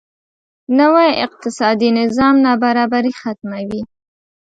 نوی اقتصادي نظام نابرابري ختموي.